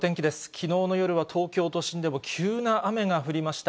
きのうの夜は東京都心でも急な雨が降りました。